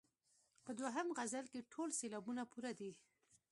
په دوهم غزل کې ټول سېلابونه پوره دي.